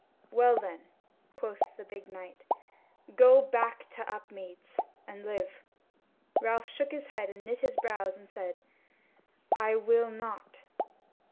"Well then," quoth the big knight, "go back to Upmeads, and live." Ralph shook his head and knit his brows and said, "I will not."